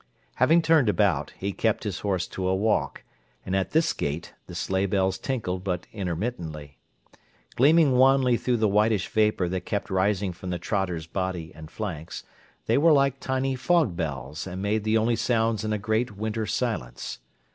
Having turned about, he kept his horse to a walk, and at this gait the sleighbells tinkled but intermittently. Gleaming wanly through the whitish vapour that kept rising from the trotter's body and flanks, they were like tiny fog bells, and made the only sounds in a great winter silence.